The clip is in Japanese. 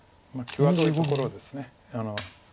際どいところです。